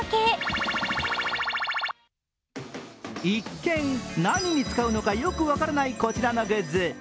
一見、何に使うのかよく分からないこちらのグッズ。